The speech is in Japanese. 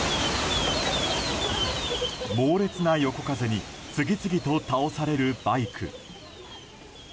猛烈な横風に次々と倒されるバイク。